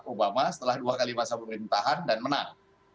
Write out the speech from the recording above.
obama setelah dua kali masa pemerintahan dan menang